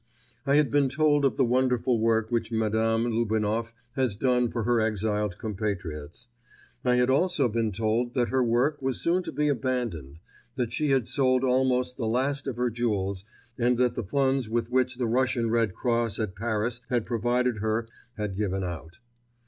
I had been told of the wonderful work which Madame Lubinoff has done for her exiled compatriots. I had also been told that her work was soon to be abandoned; that she had sold almost the last of her jewels and that the funds with which the Russian Red Cross at Paris had provided her had given out.